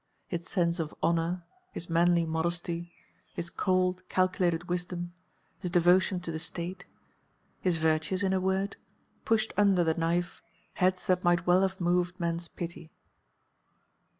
His sense of honour, his manly modesty, his cold, calculated wisdom, his devotion to the State, his virtues in a word, pushed under the knife heads that might well have moved men's pity.